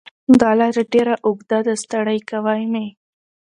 دا لار ډېره اوږده ده ستړی کوی مې